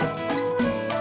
ayo masuk masuk masuk